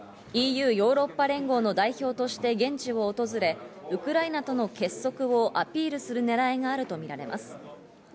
ＥＵ＝ヨーロッパ連合の代表として現地を訪れ、ウクライナとの結束をアピールするねらいがあるとみられます。